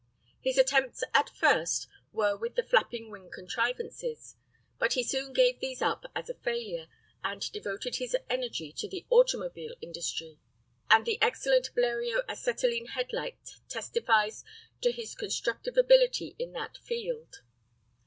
His attempts at first were with the flapping wing contrivances, but he soon gave these up as a failure, and devoted his energy to the automobile industry; and the excellent Bleriot acetylene headlight testifies to his constructive ability in that field.